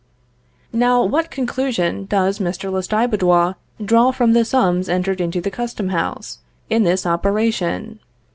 Now what conclusion does Mr. Lestiboudois draw from the sums entered into the custom house, in this operation?